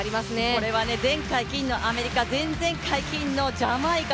これは前回金のアメリカ、前々回金のジャマイカ